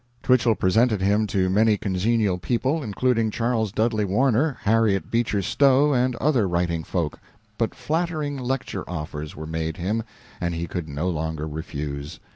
Twichell presented him to many congenial people, including Charles Dudley Warner, Harriet Beecher Stowe, and other writing folk. But flattering lecture offers were made him, and he could no longer refuse.